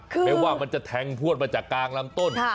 คือหมายความว่ามันจะแทงพวดมาจากกางลำต้น